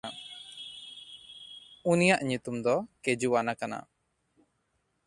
ᱩᱱᱤᱭᱟᱜ ᱧᱩᱛᱩᱢ ᱫᱚ ᱠᱮᱡᱩᱣᱟᱱᱟ ᱠᱟᱱᱟ᱾